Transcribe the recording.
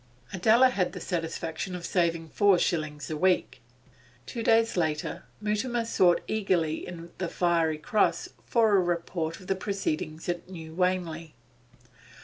Adela had the satisfaction of saving four shillings a week. Two days later Mutimer sought eagerly in the 'Fiery Gross' for a report of the proceedings at New Wanley.